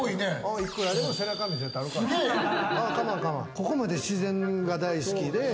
ここまで自然が大好きで。